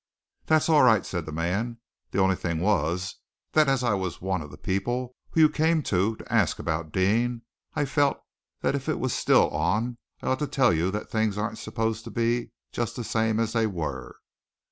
"That's all right," said the man. "The only thing was that as I was one of the people you came to, to ask about Deane, I felt that if it was still on I ought to tell you that things aren't supposed to be just the same as they were."